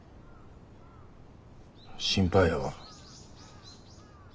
心配やわ。